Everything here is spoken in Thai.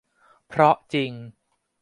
เพราะจริง